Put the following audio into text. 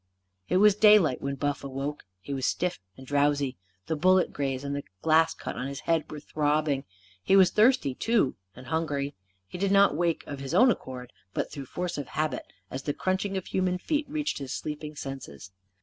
It was daylight when Buff awoke. He was stiff and drowsy. The bullet graze and the glass cut on his head were throbbing. He was thirsty, too, and hungry. He did not wake, of his own accord, but through force of habit, as the crunching of human feet reached his sleeping senses.